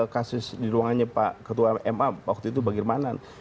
kasus di ruangannya pak ketua ma waktu itu bagirmanan